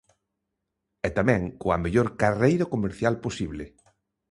E tamén, coa mellor carreira comercial posible.